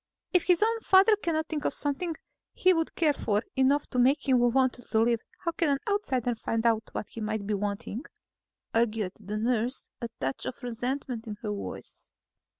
"If his own father cannot think of something he would care for enough to make him want to live, how can an outsider find out what he might be wanting?" argued the nurse, a touch of resentment in her voice.